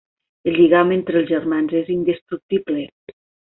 El lligam entre els germans és indestructible.